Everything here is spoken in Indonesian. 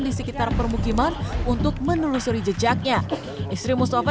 di sekitar permukiman untuk menelusuri jejaknya istri mustafa